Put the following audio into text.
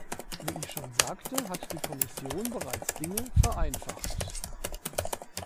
Wie ich schon sagte, hat die Kommission bereits Dinge vereinfacht.